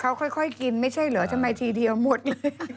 เขาค่อยกินไม่ใช่เหรอทำไมทีเดียวหมดเลย